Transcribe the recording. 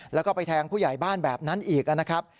แล้วก็ไปแทงผู้ใหญ่บ้านแบบนั้นอีกนะครับ